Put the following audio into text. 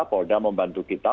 polda membantu kita